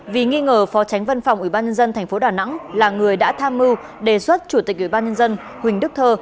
vì nghi ngờ phó tránh văn phòng ủy ban nhân dân tp đà nẵng là người đã tham mưu đề xuất chủ tịch ủy ban nhân dân huỳnh đức thơ